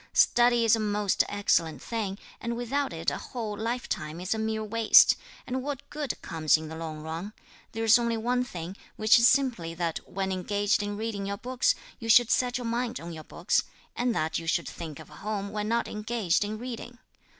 "Study is a most excellent thing, and without it a whole lifetime is a mere waste, and what good comes in the long run? There's only one thing, which is simply that when engaged in reading your books, you should set your mind on your books; and that you should think of home when not engaged in reading.